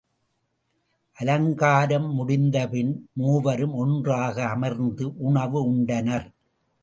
அலங்காரம் முடிந்தபின் மூவரும் ஒன்றாக அமர்ந்து உணவு உண்டனர்.